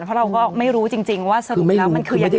เพราะเราก็ไม่รู้จริงว่าสรุปแล้วมันคือยังไง